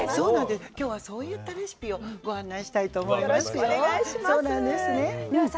今日はそういったレシピをご案内したいと思いますよ。